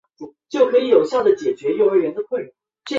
他领导奥斯曼军队击败了尕勒莽王朝。